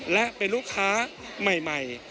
และเป็นลูกค้าใหม่